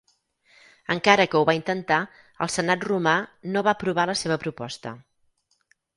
Encara que ho va intentar el senat romà no va aprovar la seva proposta.